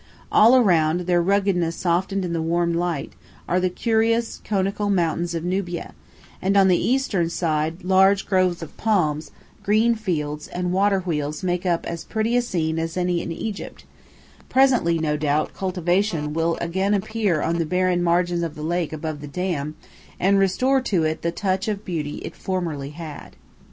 All around, their ruggedness softened in the warm light, are the curious, conical mountains of Nubia, and on the eastern side large groves of palms, green fields, and water wheels make up as pretty a scene as any in Egypt; presently, no doubt, cultivation will again appear on the barren margins of the lake above the dam and restore to it the touch of beauty it formerly had.